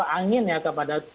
angin ya kepada